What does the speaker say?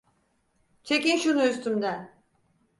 Çekin şunu üstümden!